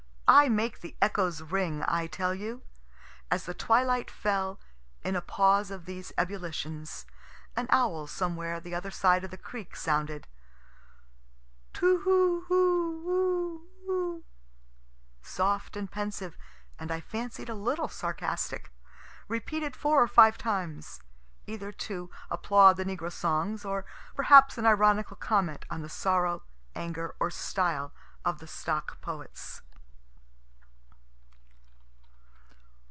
I make the echoes ring, I tell you! As the twilight fell, in a pause of these ebullitions, an owl somewhere the other side of the creek sounded too oo oo oo oo, soft and pensive (and I fancied a little sarcastic) repeated four or five times. Either to applaud the negro songs or perhaps an ironical comment on the sorrow, anger, or style of the stock poets.